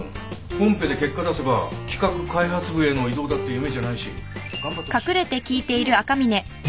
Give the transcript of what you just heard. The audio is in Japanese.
コンペで結果出せば企画開発部への異動だって夢じゃないし頑張ってほしいよね。ですね。